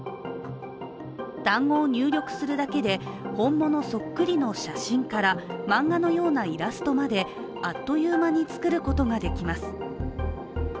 単語を入力するだけで、本物そっくりの写真から漫画のようなイラストまであっという間に作ることができます。